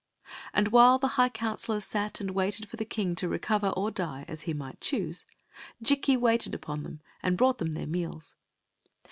And while the high counselors sat and waited for the king to recover or die, as he might choose, Jikki waited upon them and brought them their meals.